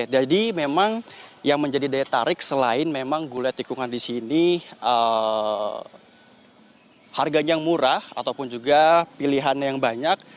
jadi memang yang menjadi daya tarik selain memang gulai tikungan di sini harganya yang murah ataupun juga pilihan yang banyak